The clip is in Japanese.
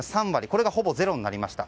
これがほぼゼロになりました。